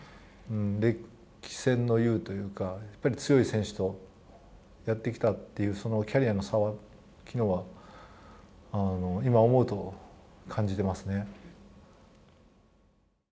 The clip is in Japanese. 歴戦の雄というか、やっぱり強い選手とやってきたっていうそのキャリアの差は昨日は、今思うと感じてますね。